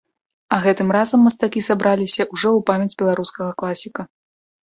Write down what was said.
А гэтым разам мастакі сабраліся ўжо ў памяць беларускага класіка.